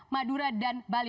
madura dan bali